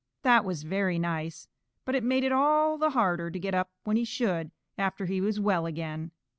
That was very nice, but it made it all the harder to get up when he should after he was well again.